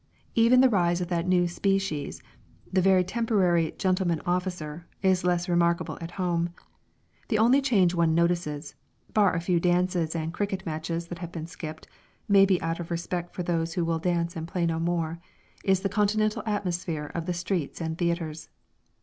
Even the rise of that new species, the very temporary gentleman officer, is less remarkable at home. The only change one notices (bar a few dances and cricket matches that have been skipped, maybe out of respect for those who will dance and play no more) is the Continental atmosphere of the streets and theatres.